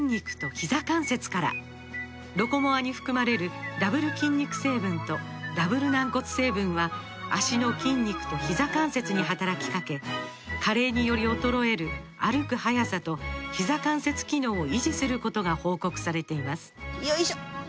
「ロコモア」に含まれるダブル筋肉成分とダブル軟骨成分は脚の筋肉とひざ関節に働きかけ加齢により衰える歩く速さとひざ関節機能を維持することが報告されていますよいしょっ！